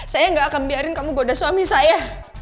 saya nggak akan biarin kamu gode suami saya